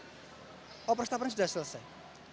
overstopen karena nanti siang sudah diperkirakan selai ini sih selai